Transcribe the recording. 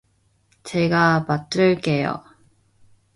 제가 받을게요.